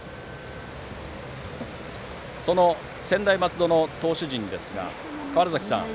その専大松戸の投手陣ですが川原崎さん